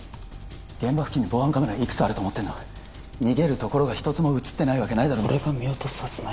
現場付近に防犯カメラいくつあると思ってんだ逃げるところが一つも写ってないわけないだろ俺が見落とすはずない